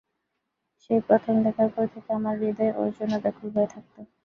সেই প্রথম দেখার পর থেকে আমার হৃদয় ওর জন্য ব্যাকুল হয়ে থাকত।